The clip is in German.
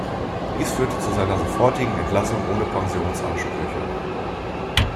Dies führte zu seiner sofortigen Entlassung ohne Pensionsansprüche.